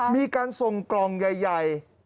มีการส่งกล่องใหญ่